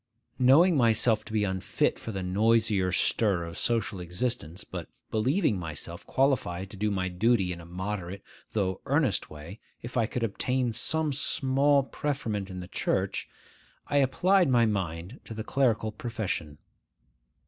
Knowing myself to be unfit for the noisier stir of social existence, but believing myself qualified to do my duty in a moderate, though earnest way, if I could obtain some small preferment in the Church, I applied my mind to the clerical profession.